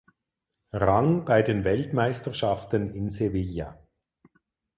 Rang bei den Weltmeisterschaften in Sevilla.